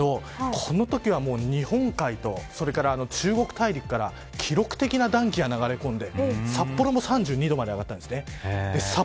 このときは日本海と中国大陸から記録的な暖気が流れ込んで札幌も３２度まで上がりました。